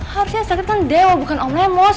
harusnya sakit kan dewa bukan om lemos